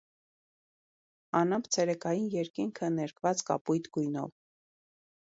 Անամպ ցերեկային երկինքը ներկված կապույտ գույնով։